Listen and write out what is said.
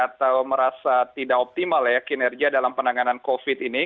atau merasa tidak optimal ya kinerja dalam penanganan covid ini